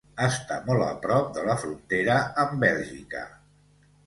Està molt a prop de la frontera amb Bèlgica.